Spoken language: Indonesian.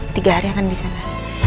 tiga hari akan di sana